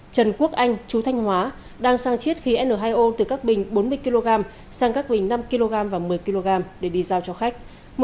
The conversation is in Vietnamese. trần quốc anh chú thanh hóa đang sang chiết khí n hai o từ các bình bốn mươi kg sang các bình năm kg và một mươi kg để đi giao cho khách